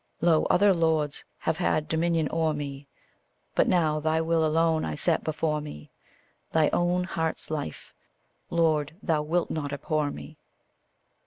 Lo, other lords have had dominion o'er me, But now thy will alone I set before me: Thy own heart's life Lord, thou wilt not abhor me!